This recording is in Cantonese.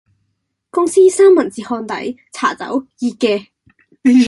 公司三文治烘底，茶走，熱嘅